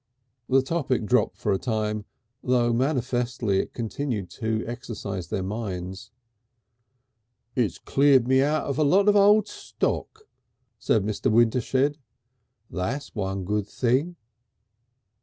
The topic dropped for a time, though manifestly it continued to exercise their minds. "It's cleared me out of a lot of old stock," said Mr. Wintershed; "that's one good thing."